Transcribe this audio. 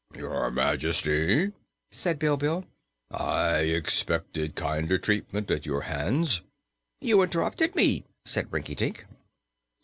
"Your Majesty," said Bilbil, "I expected kinder treatment at your hands." "You interrupted me," said Rinkitink.